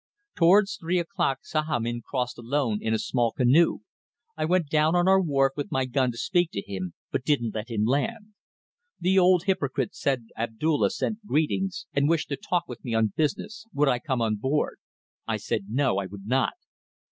Towards three o'clock Sahamin crossed alone in a small canoe. I went down on our wharf with my gun to speak to him, but didn't let him land. The old hypocrite said Abdulla sent greetings and wished to talk with me on business; would I come on board? I said no; I would not.